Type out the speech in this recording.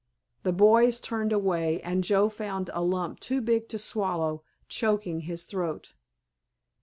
The boys turned away, and Joe found a lump too big to swallow choking his throat.